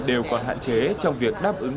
đều còn hạn chế trong việc đáp ứng